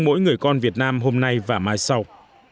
mỗi người con việt nam hôm nay và mai sau